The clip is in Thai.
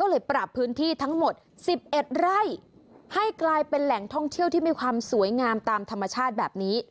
ก็เลยปรับพื้นที่ทั้งหมด๑๑ไร่ให้กลายเป็นแหล่งท่องเที่ยวที่มีความสวยงามตามธรรมชาติแบบนี้